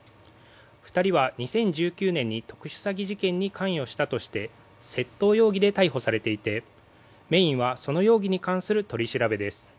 ２人は２０１９年に特殊詐欺事件に関与したとして窃盗容疑で逮捕されていてメインはその容疑に関する取り調べです。